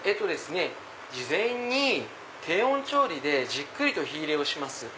事前に低温調理でじっくりと火入れをします。